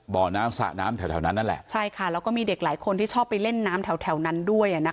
บ่อน้ำสระน้ำแถวนั้นนั่นแหละใช่ค่ะแล้วก็มีเด็กหลายคนที่ชอบไปเล่นน้ำแถวแถวนั้นด้วยอ่ะนะคะ